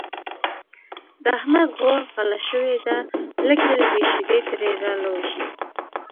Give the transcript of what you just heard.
د احمد غوا غله شوې ده لږې لږې شیدې ترې را لوشي.